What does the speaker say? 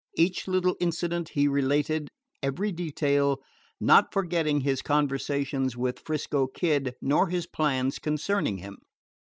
Each little incident he related, every detail, not forgetting his conversations with 'Frisco Kid nor his plans concerning him.